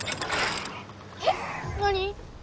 えっ⁉何？